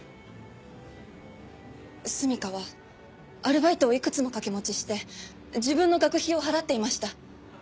純夏はアルバイトをいくつも掛け持ちして自分の学費を払っていました。